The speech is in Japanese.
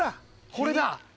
これだ。